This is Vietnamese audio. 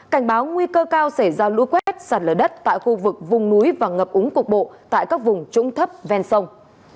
cảnh báo nguy cơ cao xảy ra lũ quét sạt lở đất tại khu vực vùng núi và ngập úng cục bộ tại các vùng trũng thấp ven sông